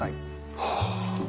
はあ。